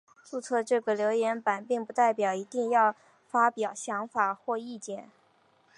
注册这个留言版并不代表一定要发表想法或意见。